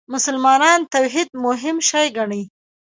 مسلمانان توحید مهم شی ګڼي.